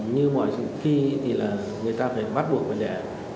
như mọi khi người ta phải bắt buộc để